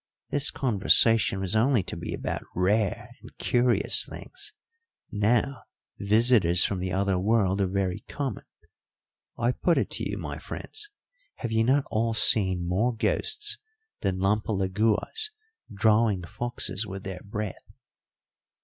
"This conversation was only to be about rare and curious things. Now, visitors from the other world are very common. I put it to you, my friends have you not all seen more ghosts than lampalaguas drawing foxes with their breath?"